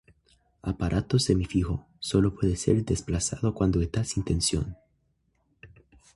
Aparato semi-fijo, sólo puede ser desplazado cuando está sin tensión.